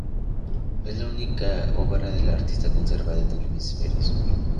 Es la única obra del artista conservada en el Hemisferio Sur.